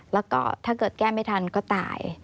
แล้วก็ถ้าเกิดแก้ไม่ทันก็ตาย